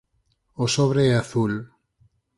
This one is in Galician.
O sobre é azul.